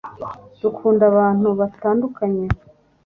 dukunda abantu batandukanye